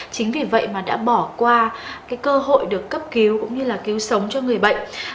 chính vì vậy mà đã bỏ qua cái cơ hội được cấp cứu cũng như là cứu sống cho người bệnh